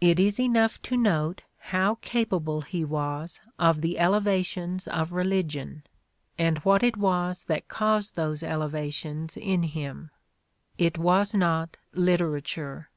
It is enough to note how capable he was of the elevations of religion, and what it was that caused those elevations in him. It was not literature.